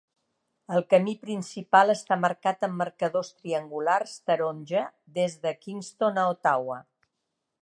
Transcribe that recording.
El camí principal està marcat amb marcadors triangulars taronja des de Kingston a Ottawa.